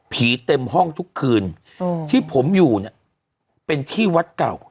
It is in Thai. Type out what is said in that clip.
เต็มห้องทุกคืนที่ผมอยู่เนี่ยเป็นที่วัดเก่า